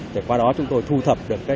thì qua đó chúng tôi thu thập được